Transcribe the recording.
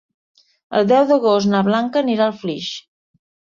El deu d'agost na Blanca anirà a Flix.